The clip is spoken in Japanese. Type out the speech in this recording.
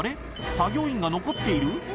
作業員が残っている？